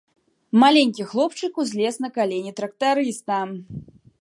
Маленькі хлопчык узлез на калені трактарыста.